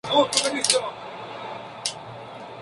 La iluminación se realiza mediante tragaluces.